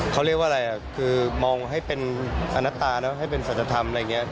เขาเรียกว่าอะไรคือมองให้เป็นอนัตตานะให้เป็นสัจธรรมอะไรอย่างนี้